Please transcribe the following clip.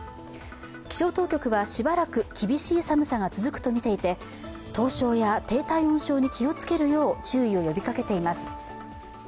気象当局はしばらく厳しい寒さが続くとみていて凍傷や低体温症に気を付けるよう注意を呼びかけています。